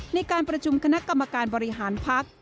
ในการประชุมคณะกรรมการบริหารพัก